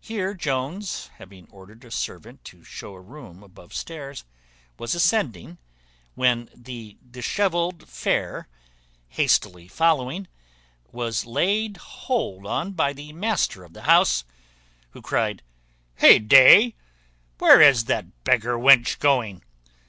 Here Jones, having ordered a servant to show a room above stairs, was ascending, when the dishevelled fair, hastily following, was laid hold on by the master of the house, who cried, "Heyday, where is that beggar wench going?